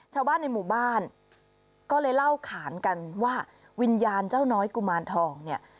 ชาวบ้านในหมู่บ้านก็เลยเล่าขานกันว่าวิญญาณเจ้าน้อยกุมารทองเนี่ย